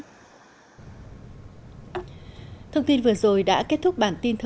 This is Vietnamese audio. các khu vực này thành b current